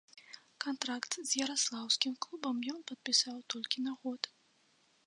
Кантракт з яраслаўскім клубам ён падпісаў толькі на год.